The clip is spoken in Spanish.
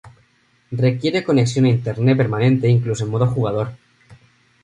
Requiere conexión a internet permanente incluso en modo de un jugador.